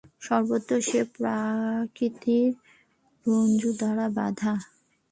সর্বত্র সে প্রকৃতির রজ্জু দ্বারা বাঁধা।